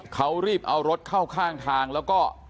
เขารีบเอารถเข้าข้างทางแล้วก็